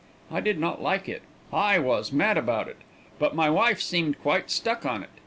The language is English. I did not like it. I was mad about it. But my wife seemed quite stuck on it.